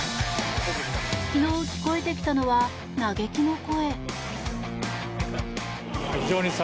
昨日、聞こえてきたのは嘆きの声。